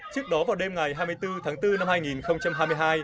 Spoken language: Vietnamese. trước đó vào đêm ngày hai mươi bốn tháng bốn năm hai nghìn hai mươi hai